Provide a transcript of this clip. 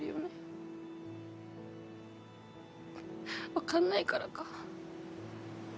分かんないからか。